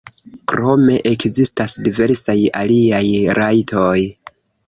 Krome ekzistas diversaj aliaj rajtoj.